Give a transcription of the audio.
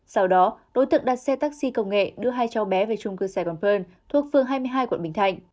sau đó đối tượng đặt xe taxi công nghệ đưa hai cháu bé về trung cư sài gòn pearl thuộc phương hai mươi hai quận bình thạnh